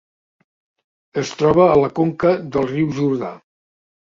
Es troba a la conca del riu Jordà.